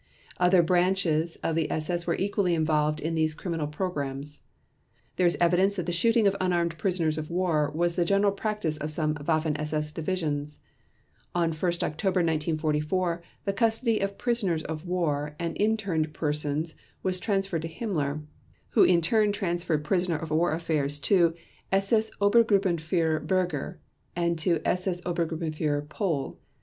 Other branches of the SS were equally involved in these criminal programs. There is evidence that the shooting of unarmed prisoners of war was the general practice in some Waffen SS divisions. On 1 October 1944 the custody of prisoners of war and interned persons was transferred to Himmler, who in turn transferred prisoner of war affairs to SS Obergruppenführer Berger and to SS Obergruppenführer Pohl.